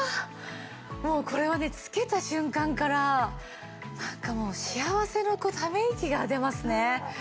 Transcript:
もうこれはね着けた瞬間からなんかもう幸せのこうため息が出ますね。